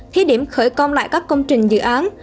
thí điểm khởi công lại các công trình dự án